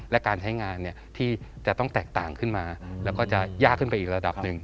และการใช้งานที่จะต้องแตกต่างขึ้นมาแล้วก็จะยากขึ้นไปอีกระดับหนึ่ง